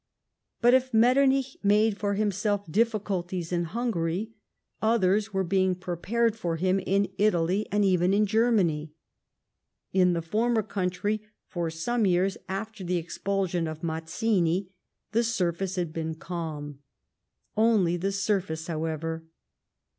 But if Metternich made for himself dilflculties in Hungary, others were being prepared for him in Ital\ , and even in Germany. In the former country, for some years after the expulsion of Mazziui, the surface had been calm. Only the surface, however.